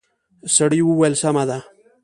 سړي وويل سمه ده.